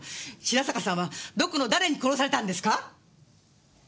白坂さんはどこの誰に殺されたんですか？